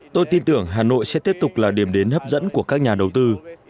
tôi tin tưởng hà nội sẽ tiếp tục là điểm đến hấp dẫn của các nhà đầu tư